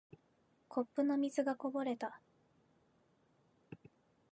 コップの水がこぼれた。